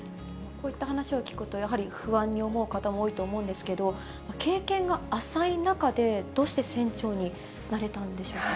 こういった話を聞くと、やはり不安に思う方も多いと思うんですけれども、経験が浅い中で、どうして船長になれたんでしょうか。